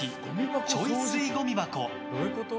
ちょい吸いゴミ箱。